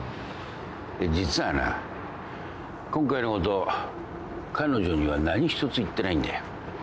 実はな今回のこと彼女には何一つ言ってないんだよ。